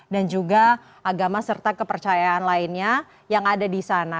dan juga agama serta kepercayaan lainnya yang ada di sana